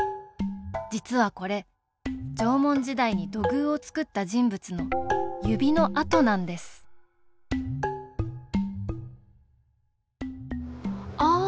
実は、これ縄文時代に土偶を作った人物の指の跡なんですああ！